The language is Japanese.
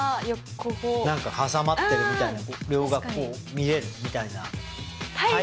ここ何か挟まってるみたいな両方がこう見えるみたいな